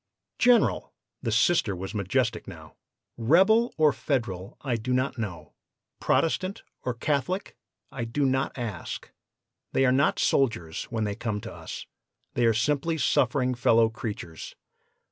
"'General!' the Sister was majestic now 'Rebel or Federal, I do not know; Protestant or Catholic, I do not ask. They are not soldiers when they come to us; they are simply suffering fellow creatures.